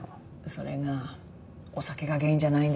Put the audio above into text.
それがお酒が原因じゃないんですよ。